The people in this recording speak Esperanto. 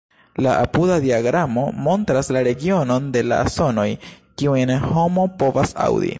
La apuda diagramo montras la regionon de la sonoj, kiujn homo povas aŭdi.